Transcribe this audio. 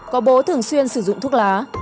có bố thường xuyên sử dụng thuốc lá